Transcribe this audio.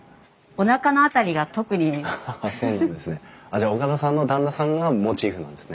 じゃあ岡田さんの旦那さんがモチーフなんですね。